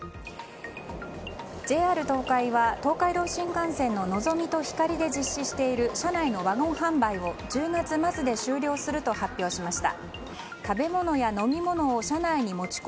ＪＲ東海は、東海道新幹線の「のぞみ」と「ひかり」で実施している車内のワゴン販売を１０月末で終了すると発表しました。